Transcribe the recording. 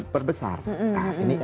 perbesar nah ini